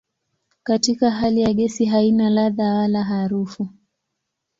Katika hali ya gesi haina ladha wala harufu.